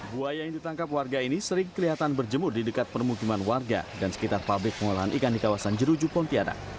buaya yang ditangkap warga ini sering kelihatan berjemur di dekat permukiman warga dan sekitar pabrik pengolahan ikan di kawasan jerujuk pontianak